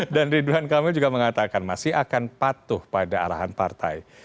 dan ridwan kamil juga mengatakan masih akan patuh pada arahan partai